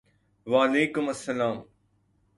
وعلیکم السلام ！